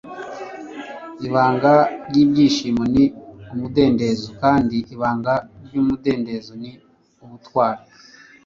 ibanga ry'ibyishimo ni umudendezo kandi ibanga ry'umudendezo ni ubutwari